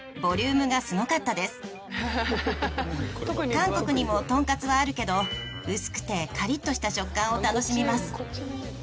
韓国にもとんかつはあるけど薄くてカリッとした食感を楽しみます。